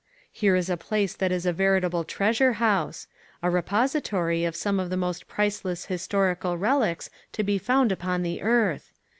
Here is a place that is a veritable treasure house. A repository of some of the most priceless historical relics to be found upon the earth.